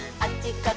こっち！